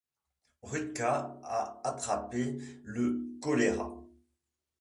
Rutka a attrapé le choléra.